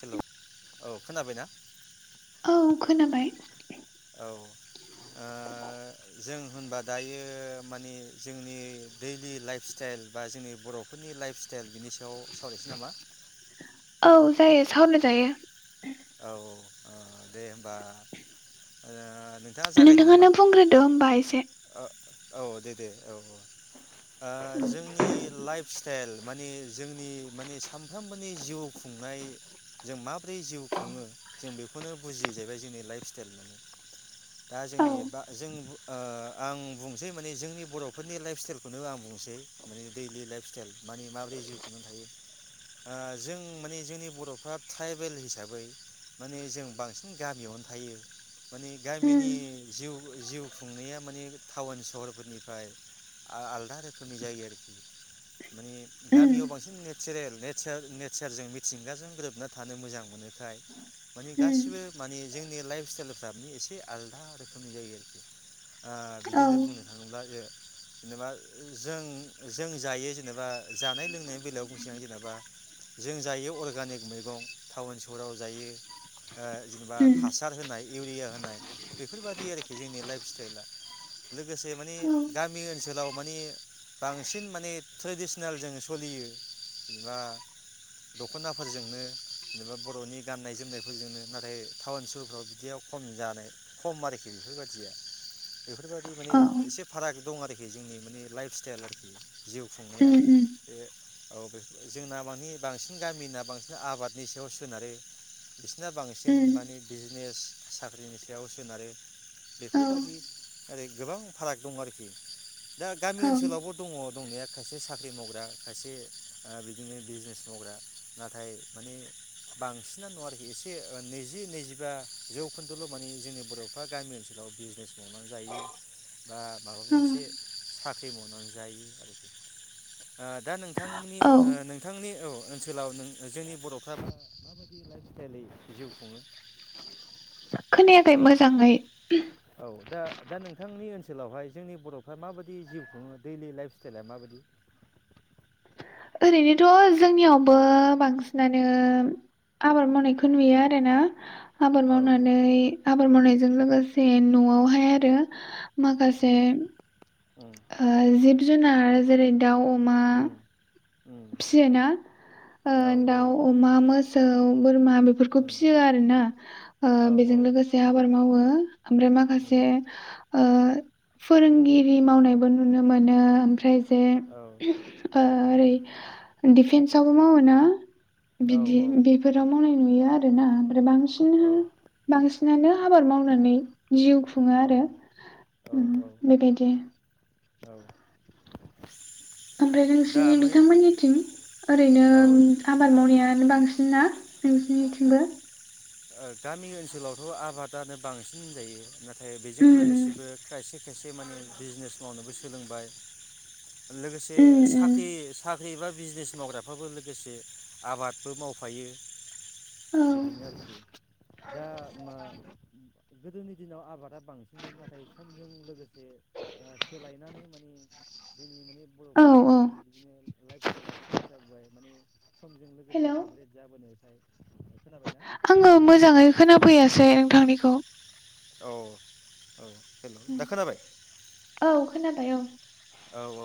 हेल' औ खोनाबायना औ खोनाबाय औ ओ जों होनबा दायो मानि जोंनि दैलि लाइफ स्टाइल बा जोंनि बर'फोरनि लाइफ स्टाइल बिनि सायाव सावरायसै नामा औ जायो सावराय जायो औ औ ओ दे होमबा ओ नोंथाङा जागायदो नामा नोंथाङानो बुंग्रोदो होमबा एसे ओ औ दे दे औ औ ओ जोंनि लाइफ स्टाइल मानि जोंनि मानि सामफ्रोम नि जिउ खुंनाय जों माब्रै जिउ खुङो जों बेखौनो बुजियो जाहैबाय जोंनि लाइफ स्टाइल दा औ जोंनि बा जों बु ओ आं बुंनोसै माने जोंनि बर'फोरनि लाइफ स्टाइलखौनो आं बुंनोसै माने दैलि लाइफ स्टाइल मानि माबोरै जिउ खुंनानै थायो ओ जों माने जोंनि बर'फ्रा ट्राइबेल हिसाबै बै माने जों बांसिन गामियावनो थायो माने उम गामिनि जिउ जिउ खुंनाया माने टाउन सहरफोरनिफ्राय आ आलदा रोखोमनि जायो आरोखि माने उम गामियाव बांसिन नेचेरेल नेसार नेसारजों मिथिंगाजों ग्रोबना थानो मोजां मोनो खाय माने उम गासिबो माने जोंनि लाइफ स्टाइलफ्रा माने एसे आलादा रोखोमनि जायो आरोखि ओ औ बिदिनो बुंनो थाङोब्ला जों जेनेबा जों जों जायो जेनेबा जानाय लोंनायनि बेलायाव बुंसे आं जेनेबा जों जायो अर्गानिक मैगं टाउन स हराव जायो ओ जेनेबा उम हासार होनाय इउरिया होनाय बेफोरबादि आरोखि जोंनि लाइफ स्टाइला लोगोसे मानि औ गामि ओनसोलाव मानि बांसिन माने ट्रेडिसनेल जों सोलियो जेनेबा दख'नाफोरजोंनो जेनेबा बर'नि गाननाय जोमनायफोरजोंनो नाथाय टाउन सहर बिदियाव खम जानाय खम आरोखि बेफोरबायाददिया बेफोरबायदि माने औ एसे फाराग दं आरोखि जोंनि माने लाइफ स्टाइल आरोखि जिउ संनाया उम उम बे औ बे जोंना मानि बांसिन गामिना बांसिन आबादनि सायाव सो सोनारो बिसिना बांसिन उम माने बिजनेस साख्रिनि सायाव सोनारो औ बेफोरबादि ओरै गोबां फाराग दं आरोखि दा गामि औ ओनसोलावबो दङ दंनाया खायसे साख्रि मावग्रा खायसे ओ बिदिनो बिजनेस मावग्रा नाथाय माने बांसिना नङा आरोखि एसे ओ नैजि नैजिबा जौखोन्दोल' मानि जोंनि बर'फ्रा गामि ओनसोलाव बिजनेस मावनानै जायो बा माबा उम मोनसे साख्रि मावनानै जायो आरोखि ओ दा नोंथांमोननि औ ओ नोंथांनि औ ओनसोलाव नों जोंनि बर'फ्रा माबायदि लाइफ स्टाइलै जिउ खुङो? खोनायाखै मोजांङै औ दा दा नोंथांनि ओनसोलावहाय जोंनि बर'फ्रा माबायदि जिउ खुङो दैलि लाइफ स्टाइला माबायदि? ओरैनोथ' जोंनियावबो बांसिनानो आबाद मावनायखौ नुयो आरोना। आबाद औ मावनानै आबाद मावनाय जों लोगोसे न'आवहाय आरो माखासे उम उम ओ जिब जुनार जेरै नों दाउ-अमा उम उम फिसियोना ओ औ औ दाउ अमा मोसौ बोरमा बेफोरखौ उम फियो आरोना ओ औ बेजों लोगोसे आबाद मावो। ओमफ्राय उम माखासे ओ फोरोंगिरि मावनायबो नुनो मोनो ओमफ्राय। जे औ ओ उम ओरै दिफेन्सआवबो मावो ना औ बिदि औ बेफोराव मावनाय नुयो आरो आरोना। आरो बांसिनहा बांसिनानो आबाद मावनानै। जिउ खुङो औ आरो औ बेबायदि औ ओमफ्राय दा नोंसिनि माने बिथांमोननिथिं ओरैनो औ आबाद मावनायानो बांसिन ना नोंसिनिथिंबो ओ गामि ओनसोलावथ' आबादानो बांसिन होनजायो। ओ बेजों उम उम लोगोसेबो खायसे खायसे माने बिजनेस मावनाबो सो सोलोंबाय लोगोसे उम उम साख्रि साख्रि बा बिजनेस मावग्राफ्राबो लोगोसे आबादबो मावफायो। औ [inaudible] [inaudible] [inaudible] औ औ [inaudible] [inaudible] [inaudible] आङो मोजाङै खोनाफैयासै नोंथांनिखौ औ औ हेल' दा खोनाबाय औ खोनाबाय औ [inaudible] औ औ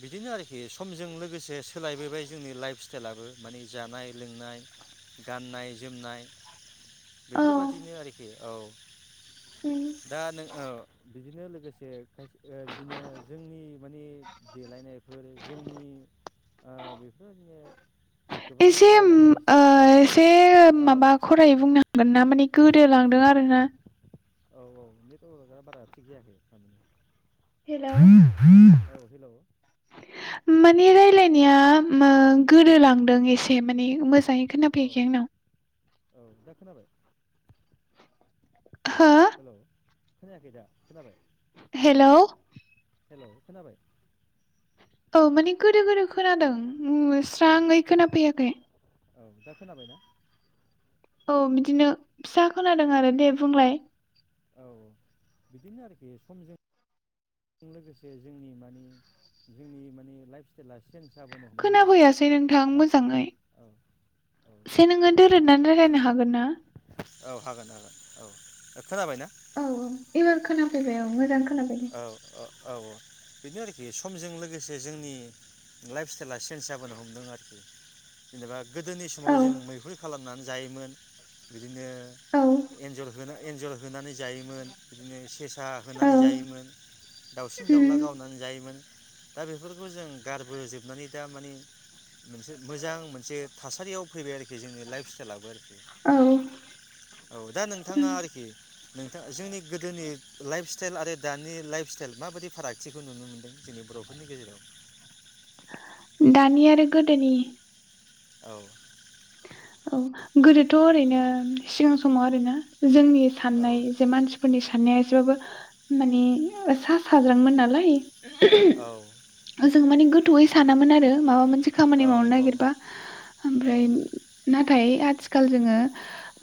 बिदिनो आरोखि समजों लोगोसे सोलायबोबाय जोंनि लाइफ हटेलाबो माने जानाय लोंनाय गाननाय जोमनाय [inaudible] औ उम दा नों एसे ओ औ [inaudible] [inaudible] गोनना माने गोदोलांदों आरोना [inaudible] [inaudible] [inaudible] मानि रायलायनाया ओ औ गोदोलांदों एसे माने मोज दायो औ खोननाफैखै आंनाव [inaudible] हो [inaudible] हेलौ [inaudible] औ माने गोदो गोदो खोनादों ओं औ स्राङै खोनाफैयाखै [inaudible] औ बिदिनो फिसा खोनादों आरो दे बुंलाय [inaudible] [inaudible] हमदों आरोखि खोनाफैयासै नोंथां लासै मोजाङै औ औ से नोङो दोरोदनानै रायलायनो हागोन ना? औ हागोन हागोन औ। खोनाबायना? फैबाय औ मोजां खोनाबाय दे औ ओ औ औ। बेनो आरोखि समजों लोगोसे जोंनि लाइफ स्टाइला चेन्ज जाबोनो हमदों आरोखि जेनेबा गोदोनि समाव औ जों मैहुर खालामनानै जायोमोन बि दिनो औ एन्जर होनो एन्जर होनानै जायोमोन बिदिनो सेस सा औ होनानै जायो मोन दाउसिन उम दाउला गावनानै जायोमोन दा बेफोरखौ जों गारबोजोबनानै दा माने मोनसे मोजां मोनसे थासारियाव फैबाय आरोखि जोंनि लाइफ स्टाइलाबो औ उम औ दा नोंथाङा आरोखि नोंथां जोंनि गोदोनि लाइफ स स्टाइल आरो दानि लाइफ स्टाइल माबादि फारागथिखौ नुनो मोनदों जोंनि बर'फोरनि गेजेराव? दानि आरो गोदोनि औ। औ गोदोथ' ओरैनो सिगां समाव आरोना जोंनि औ साननाय जे मानसिफोरनि साननाया एस सेबाबो माने ओ सा साज्रांमोन नालाय औ। थौयै सानामोन आरो माबा मोन से खामानि मावनो औ नागिरबा औ ओमफ्राय फ्राय आथिखाल जोङो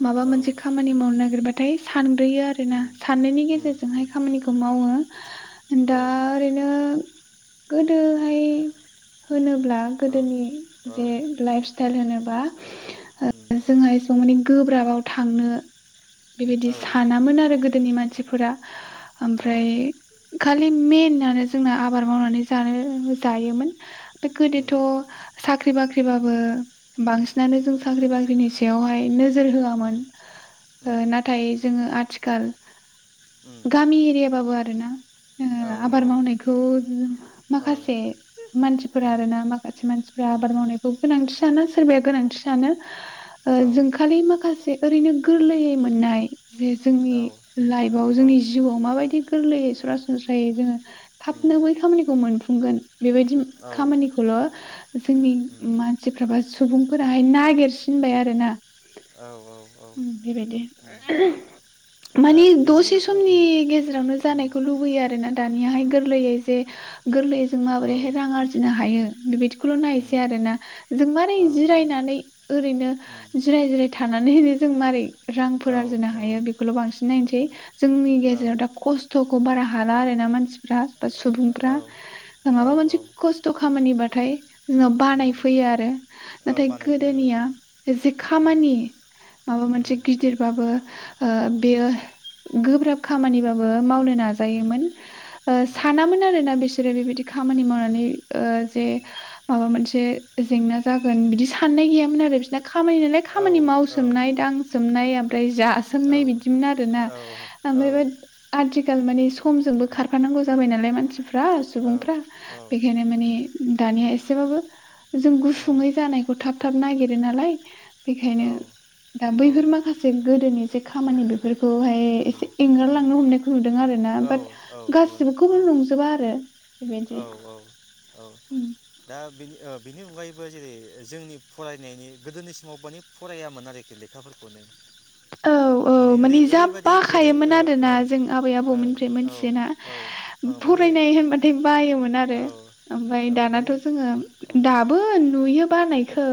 माबा औ मोनसे खामानि मावनो नागिरबाथाय सानग्रोयो आरोना, उम साननायनि उम गेजेरजोंहाय उम खामानिखौ मावो दा औ ओरैनो गोदोहाय होनो ब्ला औ गोदोनि औ जे लाइफ स्टाइल होनो बा ओ उम जोंहा एसेबां माने गोब्राबाव थांनो बेबायदि औ सानामोन आरो गोदोनि मान सिफोरा औ ओमफ्राय उम खालि मेनानो जोंना आबाद मावनानै जानो जायोमोन। उम गोदोथ साख्रि बाख्रिबाबो बांस नानो जों साख्रि बाख्रिनि सायावहाय नो जोर होयामोन उम उम ओ नाथाय जोङो आथि खाल उम गामि एरिया बाबो आर रोना औ जोङो औ आबाद औ मावनायखौ माखासे मानसिफोरा उम आरोना माखासे मानसिफोरा उम आबाद मावनायखौ गोनांथि सानो सोरबाया गोनां थि सानो। ओ औ औ जों खालि माखासे ओरैनो गोरलैयै मोननाय जे जोंनि औ लाइफआव जोंनि जिउआव माबायदि गोरलैयै सरासनस्रायै जोङो उम थाबनो बै खामानिखौ मोनफ खुंगोन बेबायदि औ खामानिखौल जोंनि उम मानसिफ्रा बा सुबुं फोराहाय नागिरसिनबाय आरो ना औ औ बेबायदि उम दा माने बेजों दसे लो ओ समनि उम गेजेरावनो उम जानायखौ लुबैयो आरोना दानियाहाय गोरलैयै जे गोरलैयै जों औ माबोरैहाय रां आरजिनो हायो बेबायदिखौल नायनोसै उम आरो ना जों मारै? औ जिरायनानै ओरैनो उम जिराय जिराय थानानै जों मारै औ रांफोर आरजिनो हायो बेखौल बांसिन नायनोसै जोंनि औ गेजेराव दा खस्थखौ बारा हाला आरो ना मानसि फ्रा सुबुंफ्रा औ माबा मोनसे औ खस्थ खामानिबाथाय जोंनाव उम बानाय फैयो आरो औ नाथाय बानायफैयो गोदोनिया औ जे उम खामानि माबा मोनसे उम गिदिरबाबो ओ उम बेयो गो ब्राब खामानिबाबो मावनो उम नाजायोमोन ओ उम सानामोन आरो ना बेसो फोर बेबायदि खामानि उम मावनानै ओ जे उम माबा मोनसे जेंना मोन बिदि साननाय गैयामोन आरो। बिसना खामानि नालाय औ खामानि औ मावसोमनाय दांसोमनाय ओमफ्राय जासोमनाय बिदिमोन आरो ना औ औ उम [unintelligible] आथिखाल मानि स समजोंबो खारफानांगौ जाबाय नालाय मानसिफ फ्रा औ सुबुंफ्रा औ बेखायनो माने उम उम उम दानिया एस एसेबाबो जों औ औ सुङै जानायखौ थाब थाब नायगिरो नालाय बेखायनो दा बैफोर माखासे गोदोनि जे खामानि बेफोरखौहाय एसे एंगारलांनो औ हमनायखौ नुदों आरो ना बाट गासिनिखोबो नंजोबा आरो बेबायदि। औ औ उम दा बेनि ओ बिनि अनगायैबो जेरै जोंनि फरायनायनि गोदोनि समाव बानि फरायामोन आरोखि लेखाफोरखौनो। औ औ ओरै माने जा ओरैबायदि गोदो बाखायोमोन आरोना ओ जों आबै आबौनिफ्राय ओ ओ मोनथियोना औ औ माने फरायनाय होनबाथाय बायोमोन आरो औ ओमफाय औ माने दानाथ' जोङो औ दाबो नुयो बानायखौ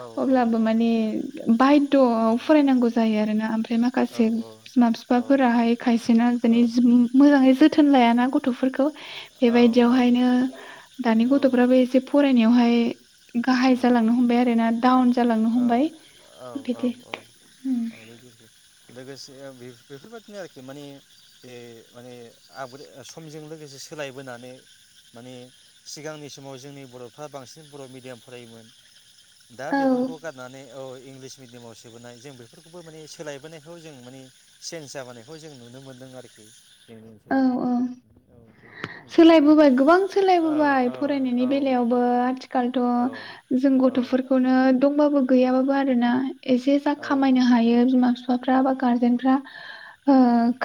औ औ अब्लाबो औ माने बाय द' उम फरायनांगौ। ओरैनो ओमफ्रा ओमफ्राय औ माखासे बिमा औ बिफाफोराहाय खायसेना औ जेनै जिम मोजाङै जोथोन लाया ना गथ'फोरखौ। औ औ बेबायदियावहायनो दानि औ गथ'फ्राबो एसे फरायनायावहाय बे गाहाय उम जालांनो हमबाय आरो ना डाउन जालांनो औ हमबाय बिदि। माबायदि हो लोगोसे बेफोरबायदिनो आरोखि माने बे माने आबाद समजों लोगोसे सोलायबोनानै माने सिगांनि समाव जोंनि बर'फ्रा बांसिन बर' मिडियाम फरायोमोन। दा औ बेफोरखौ गारनानै औ इंलिस मिडियामाव सोबोनाय जों बेफोरखौबो माने सोलायबोनायखौ जों माने चेन्ज जाबोनायखौ जों नुनो मोन्दों आरोखि। जोंनि ओनसोलाव औ। बेफोरबो मोनसे सोलायबोबाय गोबां औ सोलायबोबाय औ औ फरायनायनि बेलायावबो आथिखालथ' ओ औ जों गथ'फोरखौनो दंबाबो गैयाबाबो आरो ना एसे जा औ खामायनो हायो बिमा बिफा बा गारजेनफ्रा ओ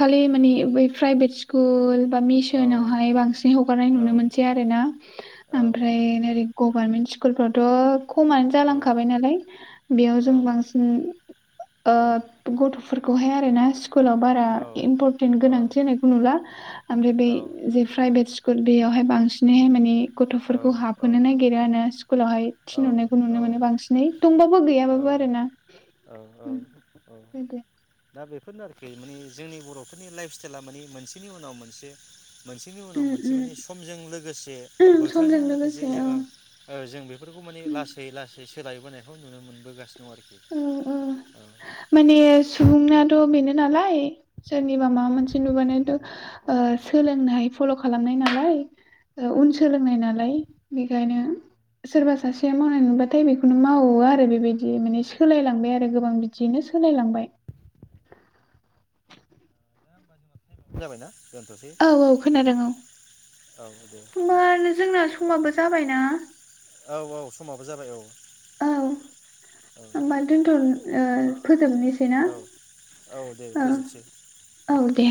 खालि माने बय प्राइभेट स्कुल बा मिस'ना हाय बांसिन हगारनाय औ नुनो मोनसै आरोना औ औ ओमफ्राय नंगौ गभारमेन्ट स्कुलाव थ' खमानो औ जालांखाबाय नालाय बेयाव औ जों बांसिन ओ औ गथ'फोर खौहाय आरो ना स्कुलाव बारा औ इम्परटेन्ट गोनांथि होनायखौ नुला ओमफ्राय बे बे प्राइभेट स्कुल बेयावहाय बांसिनैहाय माने गथ'फोरखौ औ हाबहोनो नागिरो आरो ना स्कुलावहाय थिनहरनायखौ नुनो मोनो बांसिनै दंबाबो औ गैयाबाबो आरो ना। औ उम बिदि। दा बेफोरनो आरोखि माने जोंनि बर'फोरनि लाइफ स्टाइला माने मोनसेनि उनाव मोनसे मोनसेनि उम उनाव मोनसे माने समजों लोगोसे उम बोथोरजों समजों लोगोसे औ जोङो ओ जों बेफोरखौ माने उम लासै लासै सोलायबोनायखौ नुनो मोनबोगासिनो दं आरोखि औ औ माने सुबुंनाथ' बेनो नालाय सोरनिबा माबा मोनसे नुब सोलोंनाय फलव खालामनाय नालाय उन सोलोंनाय नालाय बेखायनो सोरबा सासेया मावनाय नुबाथाय बेखौनो मावो आरो बेबायदि माने सोलायलांबाय आरो गोबां बिदियैनो सोलायलांबाय। जाबायना? दोनथ'सै औ औ खोनादों औ। औ दे औ होनबा जोंना समाबो जाबायना? औ औ समाबो जाबाय औ औ औ। होमबा दोनथ' ओ फोजोबनोसै ना औ दे औ फोजोबसै औ दे।